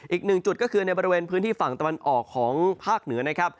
อีกหนึ่งจุดก็คือในบริเวณพื้นที่ฝั่งตะวันออกของภาคเหนือนะครับ